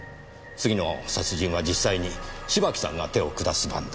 次の殺人は実際に芝木さんが手を下す番だ。